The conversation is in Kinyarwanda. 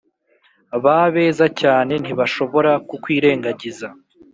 ba beza cyane ntibashobora kukwirengagiza.